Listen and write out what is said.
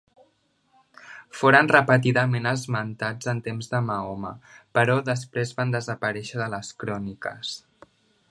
Foren repetidament esmentats en temps de Mahoma però després van desaparèixer de les cròniques.